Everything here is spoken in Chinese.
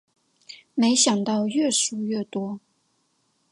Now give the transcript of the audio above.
没想到越输越多